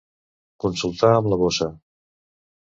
Consultar amb la bossa.